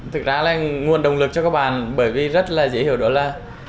thực ra là nguồn động lực cho các bạn bởi vì rất là dễ hiểu đó là